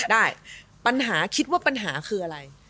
ได้ปัญหาคิดว่าปัญหาคืออะไร